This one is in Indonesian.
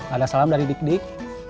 ada salam dari dik dik